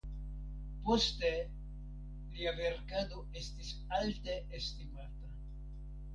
Poste lia verkado estis alte estimata.